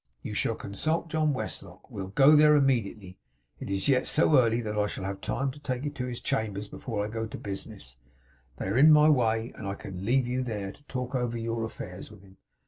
You shall consult John Westlock. We'll go there immediately. It is yet so early that I shall have time to take you to his chambers before I go to business; they are in my way; and I can leave you there, to talk over your affairs with him.